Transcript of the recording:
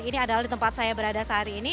ini adalah di tempat saya berada saat ini